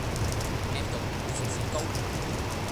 M 到唔好食雪糕